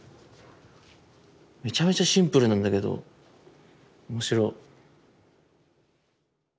めちゃめちゃシンプルなんだけど面白い。